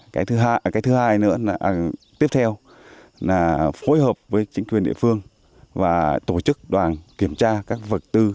cái thứ hai nữa là tiếp theo là phối hợp với chính quyền địa phương và tổ chức đoàn kiểm tra các vật tư